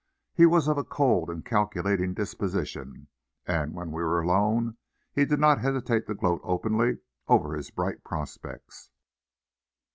He was of a cold and calculating disposition, and when we were alone, he did not hesitate to gloat openly over his bright prospects.